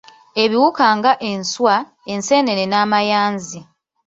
Ebiwuka nga enswa, enseenene n’amayanzi